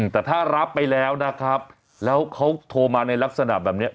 แต่ถ้ารับไปแล้วนะครับแล้วเขาโทรมาในลักษณะแบบนี้